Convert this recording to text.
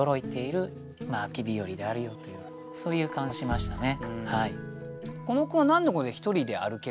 そういう鑑賞をしましたね。